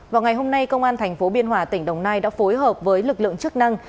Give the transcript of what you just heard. vào ngày hôm nay công an thành phố biên hòa tỉnh đồng nai đã phối hợp với lực lượng chức năng